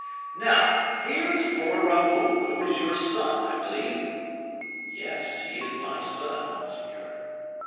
"Now, here is poor Raoul, who is your son, I believe." "Yes, he is my son, monseigneur."